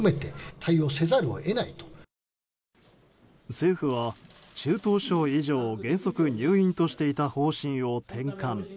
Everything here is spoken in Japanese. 政府は中等症以上を原則入院としていた方針を転換。